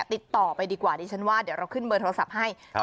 ติดต่อไปดีกว่าดิฉันว่าเดี๋ยวเราขึ้นเบอร์โทรศัพท์ให้